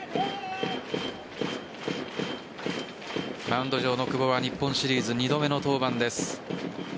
マウンド上の久保は日本シリーズ２度目の登板です。